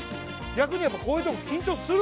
逆にやっぱこういうとこ緊張する？